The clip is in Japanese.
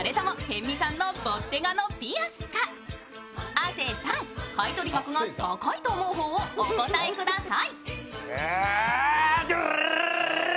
亜生さん、買取額が高いと思う方をお答えください。